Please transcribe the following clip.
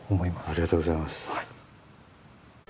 ありがとうございます。